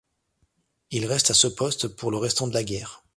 Il reste à ce poste pour le restant de la guerre.